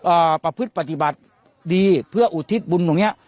ประพฤติปฏิบัติดีเพื่ออุทิศบุญตรงเนี้ย